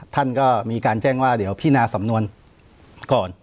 ท่านก็มีการแจ้งว่าเดี๋ยวพินาสำนวนก่อน